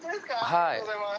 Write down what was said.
ありがとうございます！